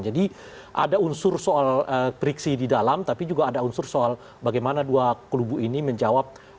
jadi ada unsur soal priksi di dalam tapi juga ada unsur soal bagaimana dua kelubu ini menjawab apa yang dikatakan